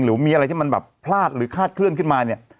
หรือมีอะไรที่มันแบบพลาดหรือคาดเคลื่อนขึ้นมาเนี่ย